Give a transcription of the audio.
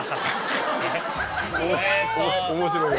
お面白い。